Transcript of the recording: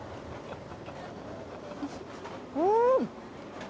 うん！